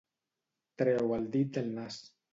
Treu el dit del nas